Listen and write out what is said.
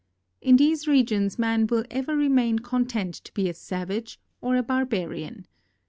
In these regions man will ever remain content to be a savage or a barbarian.